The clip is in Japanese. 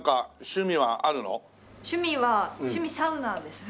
趣味は趣味サウナです。